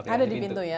ada di pintu ya